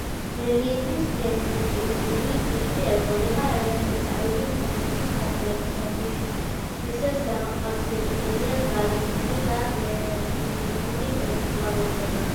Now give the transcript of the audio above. რელიეფის გენეტური ტიპი ეწოდება ელემენტარული ფორმების კომპლექსს, რომლისთვისაც დამახასიათებელია გარეგნული და გენეტური ერთგვაროვნება.